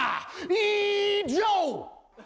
以上！